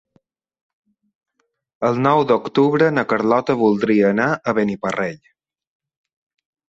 El nou d'octubre na Carlota voldria anar a Beniparrell.